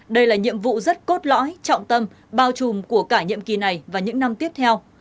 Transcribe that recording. đây là nhiệm vụ rất cốt lõi trọng tâm bao trùm của cả nhiệm kỳ này và những năm tiếp theo